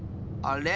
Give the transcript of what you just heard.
あれ？